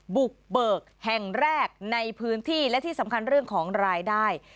บุกเบิกแห่งแรกในพื้นที่และที่สำคัญเรื่องของรายได้